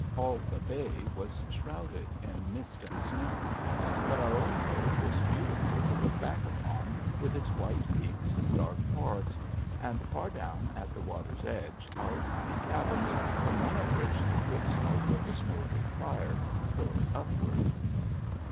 All the bay was shrouded in mist and snow. But our own cove was beautiful to look back upon with its white peaks and dark forest, and far down at the water's edge our tiny cabins from one of which the thick smoke of the smoldering fire curled upwards.